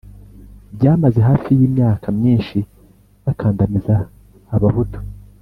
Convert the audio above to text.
byamaze hafi imyaka myinshi bakandamiza abahutu.